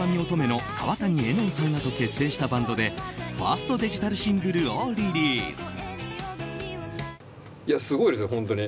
の川谷絵音さんらと結成したバンドでファーストデジタルシングルをリリース。